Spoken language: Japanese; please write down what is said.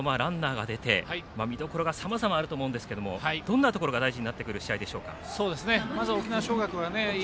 １回からランナーが出て見どころがさまざまあると思うんですがどんなところが大事になってくるでしょうか。